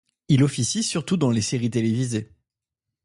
Il officie surtout dans les séries télévisées.